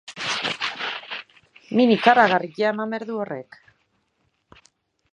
Min ikaragarria eman behar du horrek.